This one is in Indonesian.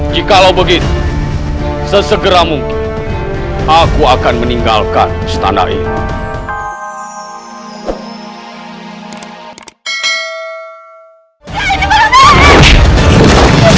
jika lo begitu sesegera mungkin aku akan meninggalkan setanah ini